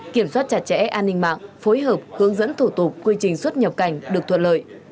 kiểm soát chặt chẽ an ninh mạng phối hợp hướng dẫn thủ tục quy trình xuất nhập cảnh được thuận lợi